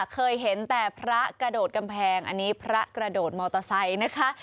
เคยเห็นแต่พระกระโดดกำแพงอันนี้พระกระโดดมอเตอร์ไซค์นะคะ